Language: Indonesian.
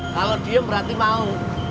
kalau diem berarti mau